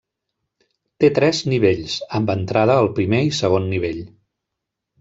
Té tres nivells, amb entrada al primer i segon nivell.